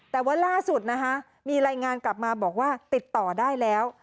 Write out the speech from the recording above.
แต่ว่าล่าสุดนะคะมีรายงานกลับมาบอกว่าติดต่อได้แล้ว